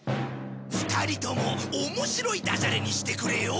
２人とも面白いダジャレにしてくれよ。